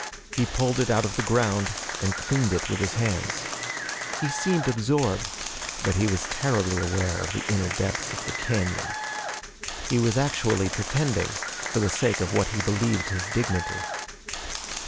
He pulled it out of the ground and cleaned it with his hands. He seemed absorbed, but he was terribly aware of the inner depths of the cañon. He was actually pretending, for the sake of what he believed his dignity.